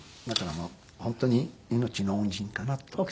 だから本当に命の恩人かなと。